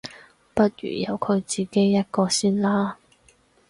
不如由佢自己一個先啦